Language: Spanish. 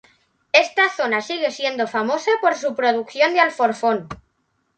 Esta zona sigue siendo famosa por su producción de alforfón.